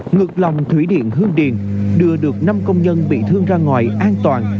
ngược lòng thủy điện hương điền đưa được năm công nhân bị thương ra ngoài an toàn